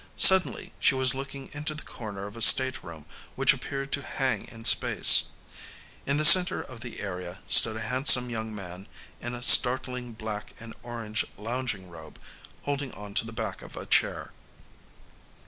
Suddenly she was looking into the corner of a stateroom which appeared to hang in space. In the center of the area stood a handsome young man in a startling black and orange lounging robe, holding on to the back of a chair.